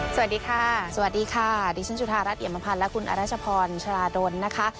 สวัสดีค่ะสวัสดีค่ะดิฉันจุธารัฐเอียมพันธ์และคุณอรัชพรชราดลนะคะ